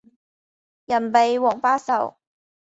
人比黄花瘦